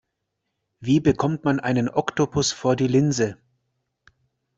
Wie bekommt man einen Oktopus vor die Linse?